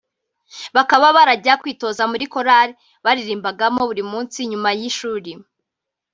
bakaba barajyaga kwitoza muri chorale baririmbagamo buri munsi nyuma y’ishuri